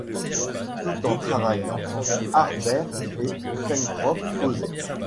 Tout en travaillant, Harbert et Pencroff causaient.